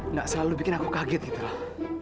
nggak selalu bikin aku kaget gitu lah